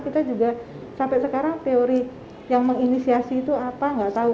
kita juga sampai sekarang teori yang menginisiasi itu apa nggak tahu